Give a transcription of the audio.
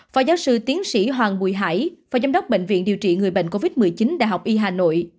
phó giáo sư tiến sĩ hoàng bùi hải phó giám đốc bệnh viện điều trị người bệnh covid một mươi chín đại học y hà nội